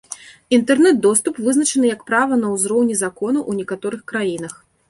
Інтэрнэт доступ вызначаны як права на ўзроўні законаў у некаторых краінах.